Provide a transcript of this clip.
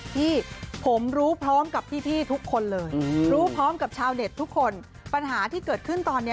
พี่ผมรู้พร้อมกับพี่ทุกคนเลยรู้พร้อมกับชาวเน็ตทุกคนปัญหาที่เกิดขึ้นตอนนี้